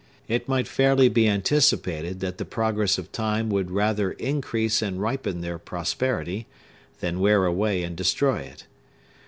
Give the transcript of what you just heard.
It might fairly be anticipated that the progress of time would rather increase and ripen their prosperity, than wear away and destroy it.